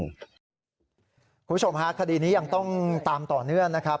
คุณผู้ชมฮะคดีนี้ยังต้องตามต่อเนื่องนะครับ